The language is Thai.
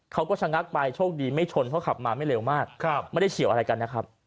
เขาก็ชะงักไปโชคดีไม่ชนเพราะขับมาไม่เร็วมากไม่ได้เฉียวอะไรกันนะครับ